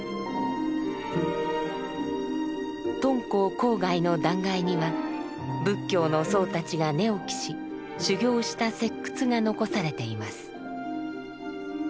敦煌郊外の断崖には仏教の僧たちが寝起きし修行した石窟が残されています。